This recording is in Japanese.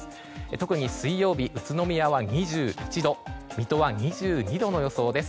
特に水曜日、宇都宮は２１度水戸は２２度の予想です。